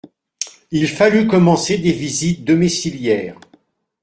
Il fallut commencer des visites domiciliaires.